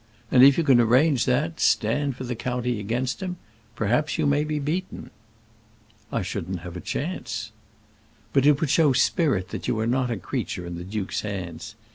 And if you can arrange that, stand for the county against him; perhaps you may be beaten." "I shouldn't have a chance." "But it would show that you are not a creature in the duke's hands.